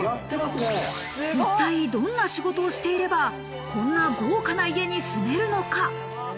一体どんな仕事をしていれば、こんな豪華な家に住めるのか。